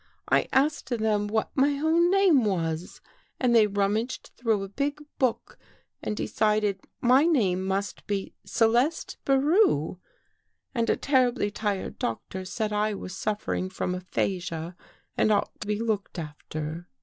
I asked them what my own name was and they rummaged through a big book and decided my name must be Celeste Biroux. And a terribly tired doctor said I was suffering from aphasia and ought to be looked after."